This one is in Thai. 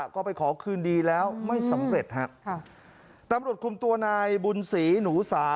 ก็ไปขอคืนดีแล้วไม่สำเร็จฮะค่ะตำรวจคุมตัวนายบุญศรีหนูสา